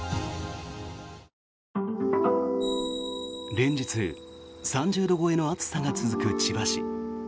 連日３０度超えの暑さが続く千葉市。